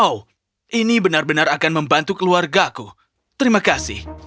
oh ini benar benar akan membantu keluargaku terima kasih